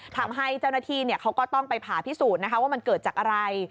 ทำให้เจ้าหน้าที่เขาก็ต้องไปผ่าพิสูจน์นะคะว่ามันเกิดจากอะไร